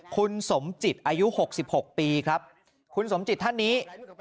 คุณสมจิตอายุ๖๖ปีครับคุณสมจิตท่านนี้